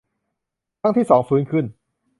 ครั้งที่สองฟื้นขึ้น